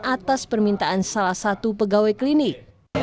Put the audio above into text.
atas permintaan salah satu pegawai klinik